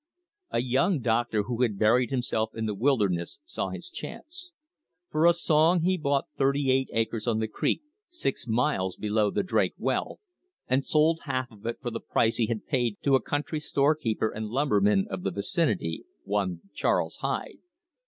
A young doctor who had buried himself in the wilderness saw his chance. For a song he bought thirty eight acres on the creek, six miles below the Drake well, and sold half of it for the price he had paid to a country storekeeper and lumberman of the vicinity, one Charles Hyde.